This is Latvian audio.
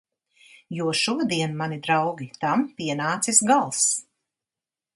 Jo šodien, mani draugi, tam pienācis gals!